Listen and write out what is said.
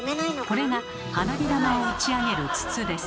これが花火玉を打ち上げる筒です。